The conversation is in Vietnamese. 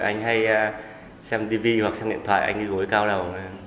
anh hay xem tv hoặc xem điện thoại anh gối cao đầu